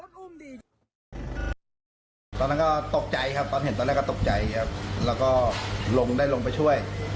ตอนนั้นก็ตกใจครับตอนเห็นตอนแรกก็ตกใจครับแล้วก็ลงได้ลงไปช่วย